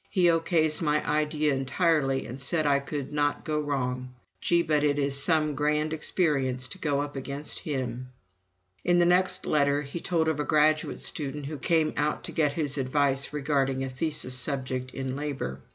He O.K.s my idea entirely and said I could not go wrong. ... Gee, but it is some grand experience to go up against him." In the next letter he told of a graduate student who came out to get his advice regarding a thesis subject in labor.